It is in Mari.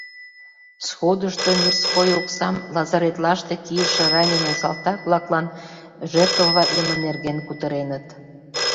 Сходышто мирской оксам лазаретлаште кийыше раненый салтак-влаклан жертвоватлыме нерген кутыреныт.